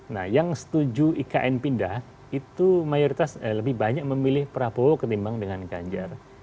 nah yang setuju ikn pindah itu mayoritas lebih banyak memilih prabowo ketimbang dengan ganjar